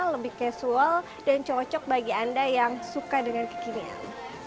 lebih casual dan cocok bagi anda yang suka dengan kekinian